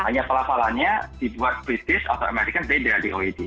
hanya pelafalannya dibuat british atau american beda dari oed